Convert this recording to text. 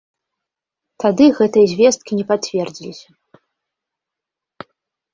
Тады гэтыя звесткі не пацвердзіліся.